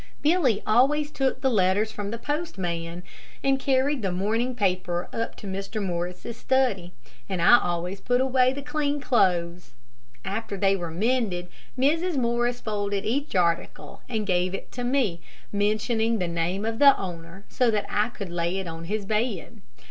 Billy always took the letters from the postman, and carried the morning paper up to Mr. Morris's study, and I always put away the clean clothes. After they were mended, Mrs. Morris folded each article and gave it to me, mentioning the name of the owner, so that I could lay it on his bed.